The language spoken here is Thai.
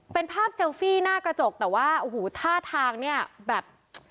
เป็นภาพเซลฟี่หน้ากระจกแต่ว่าโอ้โหท่าทางเนี่ยแบบ